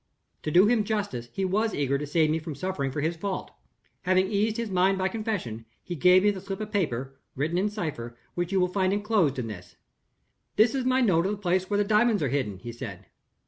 "To do him justice, he was eager to save me from suffering for his fault. "Having eased his mind by confession, he gave me the slip of paper (written in cipher) which you will find inclosed in this. 'There is my note of the place where the diamonds are hidden,' he said.